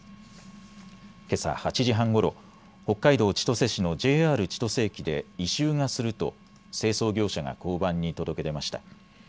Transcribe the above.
けさ８時半ごろ、北海道千歳市のＪＲ千歳駅で異臭がすると清掃業者が交番に届け出ました。